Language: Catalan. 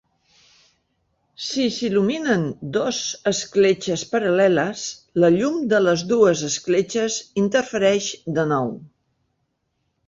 Si s'il·luminen "dos" escletxes paral·leles, la llum de les dues escletxes interfereix de nou.